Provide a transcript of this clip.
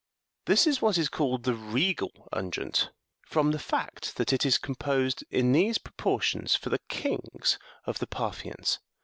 This is what is called the "regal" unguent, from the fact that it is composed in these proportions for the kings of the Parthians.